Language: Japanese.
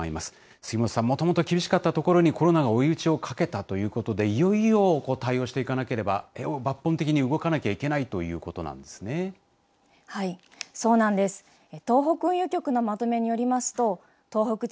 杉本さん、もともと厳しかったところにコロナが追い打ちをかけたということで、いよいよ対応していかなければ、抜本的に動かないといけないということなんですね。